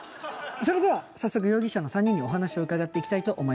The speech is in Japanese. それでは早速容疑者の３人にお話を伺っていきたいと思います。